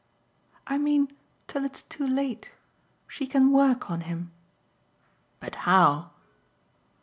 "I mean till it's too late. She can work on him." "But how?"